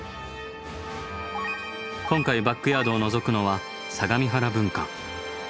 今回バックヤードをのぞくのは相模原分館。